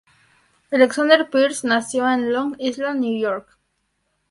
Alexander Pierce nació en Long Island, Nueva York.